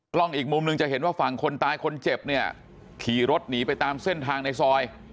อีกมุมหนึ่งจะเห็นว่าฝั่งคนตายคนเจ็บเนี่ยขี่รถหนีไปตามเส้นทางในซอย